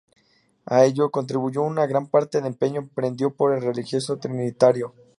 A ello, contribuyó en gran parte el empeño emprendido por el religioso trinitario.